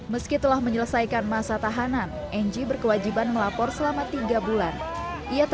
meskipun menyelesaikan masa tahanan engi berkewajiban melapor selama tiga bulan ia